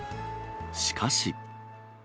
しかし。